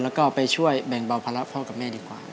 แล้วก็ไปช่วยแบ่งเบาภาระพ่อกับแม่ดีกว่า